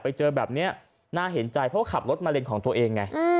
ไปเจอแบบนี้น่าเห็นใจเพราะขับรถมาเลนของตัวเองไง